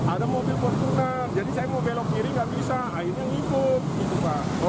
ada mobil berpunang jadi saya mau belok kiri nggak bisa akhirnya ngipup